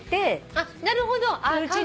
あっなるほど。